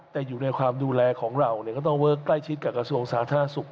แต่อยู่ในความดูแลของเราก็ต้องเวิร์คใกล้ชิดกับกระทรวงสาธารณสุข